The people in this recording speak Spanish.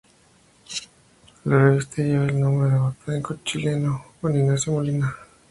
La revista lleva el nombre de botánico chileno Juan Ignacio Molina.